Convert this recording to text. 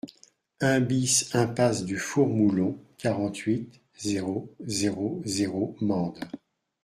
un BIS impasse du Four Moulon, quarante-huit, zéro zéro zéro, Mende